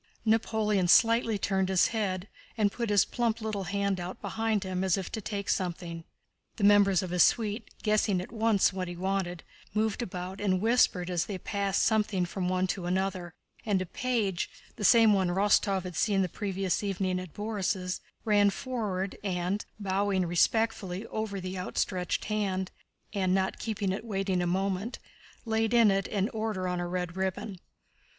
Napoleon slightly turned his head, and put his plump little hand out behind him as if to take something. The members of his suite, guessing at once what he wanted, moved about and whispered as they passed something from one to another, and a page—the same one Rostóv had seen the previous evening at Borís'—ran forward and, bowing respectfully over the outstretched hand and not keeping it waiting a moment, laid in it an Order on a red ribbon.